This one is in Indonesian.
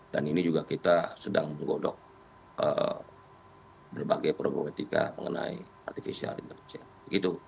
dan ini juga kita sedang menggodok berbagai problematika mengenai artificial intelligence